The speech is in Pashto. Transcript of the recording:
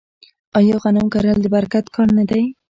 آیا غنم کرل د برکت کار نه دی؟